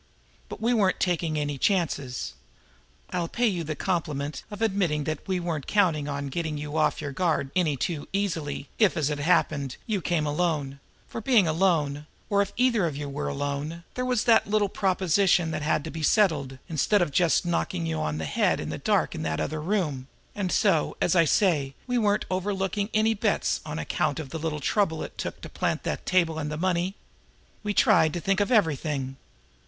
But we weren't taking any chances. I'll pay you the compliment of admitting that we weren't counting on getting you off your guard any too easily if, as it happened, you came alone, for, being alone, or if either of you were alone, there was that little proposition that had to be settled, instead of just knocking you on the head out there in the dark in that other room; and so, as I say, we weren't overlooking any bets on account of the little trouble it took to plant that table and the money. We tried to think of everything!"